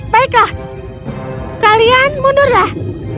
baiklah kalian mundurlah